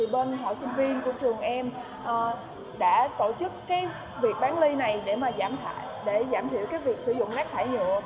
bên hội sinh viên của trường em đã tổ chức việc bán ly này để giảm thiểu việc sử dụng rác thải nhựa